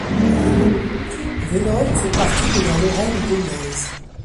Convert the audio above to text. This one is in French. Velosnes fait partie de la Lorraine gaumaise.